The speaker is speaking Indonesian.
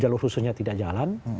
jalur khususnya tidak jalan